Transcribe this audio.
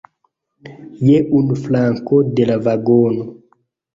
Je unu flanko de la vagono.